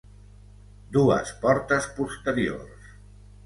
Dues portes posteriors.